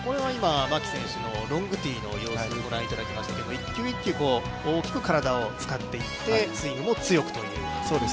これは牧選手のロングティーの練習を御覧いただきましたけど、１球１球、大きく体を使っていって、スイングも強くという。